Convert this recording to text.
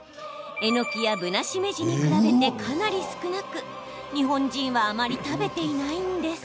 えのきやぶなしめじに比べてかなり少なく、日本人はあまり食べていないんです。